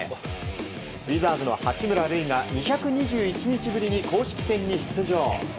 ウィザーズの八村塁が２２１日ぶりに公式戦に出場。